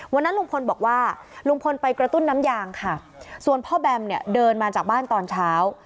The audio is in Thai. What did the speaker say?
วันนั้นลุงพลบอกว่าลุงพลไปกระตุ้นน้ำยางค่ะส่วนพ่อแบมเนี่ยเดินมาจากบ้านตอนเช้า